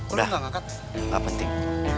udah gak penting